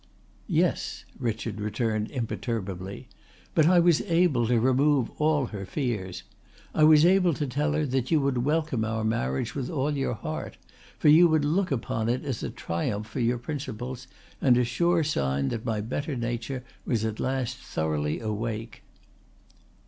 "Yes," Richard returned imperturbably. "But I was able to remove all her fears. I was able to tell her that you would welcome our marriage with all your heart, for you would look upon it as a triumph for your principles and a sure sign that my better nature was at last thoroughly awake."